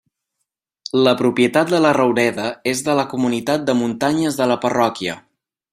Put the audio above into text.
La propietat de la roureda és de la Comunitat de Muntanyes de la parròquia.